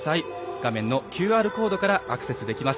画面のＱＲコードからアクセスできます。